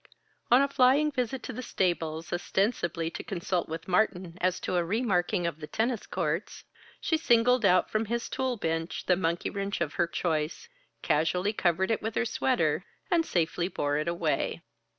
On a flying visit to the stables, ostensibly to consult with Martin as to a re marking of the tennis courts, she singled out from his tool bench the monkey wrench of her choice, casually covered it with her sweater, and safely bore it away.